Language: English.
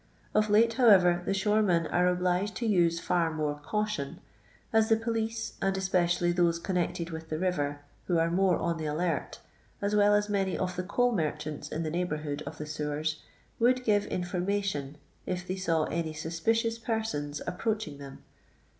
Of late, however, the shore men ari». obliged to use far more caution, as the police, and especially those connected with the river, who are more on the alert, as well as many of the coal merchants in the neighbourhood of the sewers, would give information if they saw any suspicious persons approaching them.